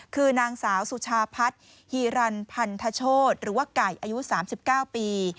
คือนางสาวสุชาพัฒน์ฮีรันพันธโชธหรือว่าไก่อายุ๓๙ปี